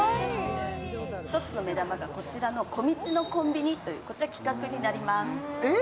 １つの目玉がこちら、こみちのコンビニという企画になります。